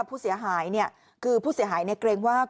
อ้อฟ้าอ้อฟ้าอ้อฟ้าอ้อฟ้า